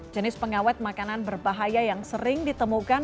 jenis pengawet makanan berbahaya yang sering ditemukan